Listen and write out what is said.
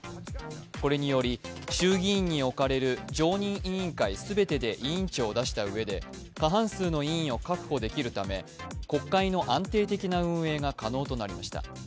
これにより、衆議院に置かれる常任委員会全てで委員長を出したうえで過半数の委員を確保できるため国会の安定的な運営が可能となりました。